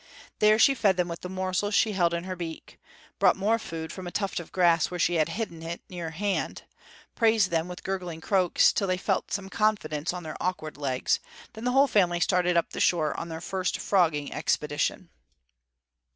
There she fed them with the morsels she held in her beak; brought more food from a tuft of grass where she had hidden it, near at hand; praised them with gurgling croaks till they felt some confidence on their awkward legs; then the whole family started up the shore on their first frogging expedition.